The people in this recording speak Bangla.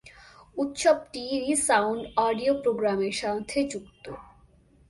উৎসবটি "রি:সাউন্ড" অডিও প্রোগ্রামের সাথে যুক্ত।